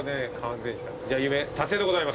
じゃあ夢達成でございます。